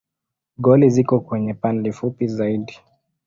Goli ziko kwenye pande fupi zaidi.